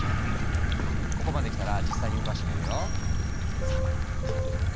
ここまできたら実際に動かしてみるよ。